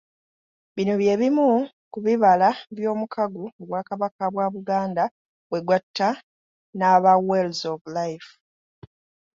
Bino bye bimu kubibala by'omukago Obwakabaka bwa Buganda bwe gwatta n'aba Wells of Life.